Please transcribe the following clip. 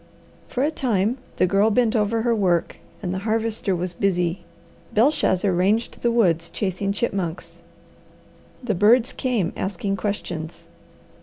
For a time the Girl bent over her work and the Harvester was busy. Belshazzar ranged the woods chasing chipmunks. The birds came asking questions.